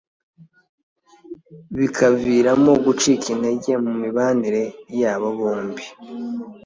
bikaviramo gucika intege mu mibanire yabo bombi